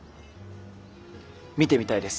見てみたいです